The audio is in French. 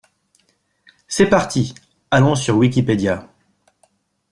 C'est parti, allons sur wikipedia.